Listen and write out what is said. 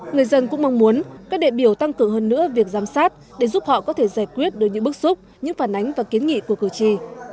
người dân cũng mong muốn các đệ biểu tăng cường hơn nữa việc giám sát để giúp họ có thể giải quyết được những bức xúc những phản ánh và kiến nghị của cử tri